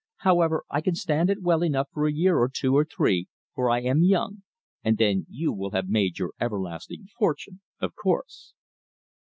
However, I can stand it well enough for a year or two or three, for I am young; and then you will have made your everlasting fortune, of course."